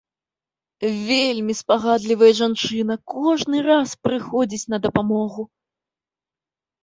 Вельмі спагадлівая жанчына, кожны раз прыходзіць на дапамогу.